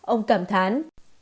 ông cảm thán